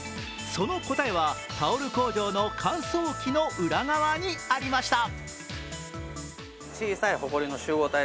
その答えは、タオル工場の乾燥機の裏側にありました。